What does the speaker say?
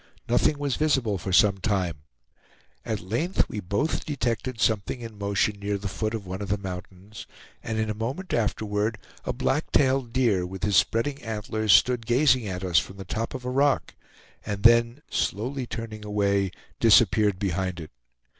Nothing was visible for some time. At length we both detected something in motion near the foot of one of the mountains, and in a moment afterward a black tailed deer, with his spreading antlers, stood gazing at us from the top of a rock, and then, slowly turning away, disappeared behind it.